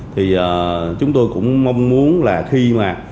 thì chúng tôi cũng mong muốn là khi mà